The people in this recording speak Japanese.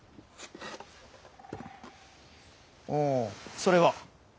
それは？